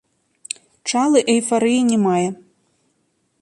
Чалы эйфарыі не мае.